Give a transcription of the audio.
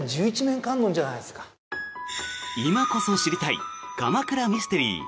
今こそ知りたい鎌倉ミステリー。